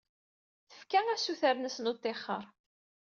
Tefka assuter-nnes n uttixer.